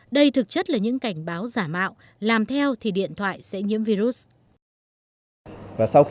đây thực chất là những cảnh báo giả mạo làm theo thì điện thoại sẽ nhiễm virus